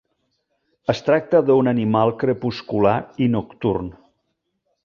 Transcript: Es tracta d'un animal crepuscular i nocturn.